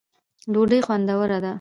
ډوډۍ خوندوره ده.